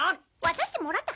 私もらた！